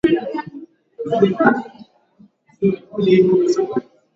Hispania na Papa wa Roma Negus Mfalme Zara Yakubu akatuma ujumbe